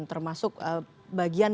termasuk bagian yang lainnya ini